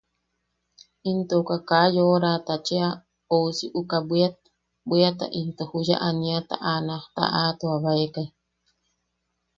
Into uka kaa yoʼoraata cheʼa ousi uka bwiat... bwiata into juya aniata a nak taʼatuabaekai.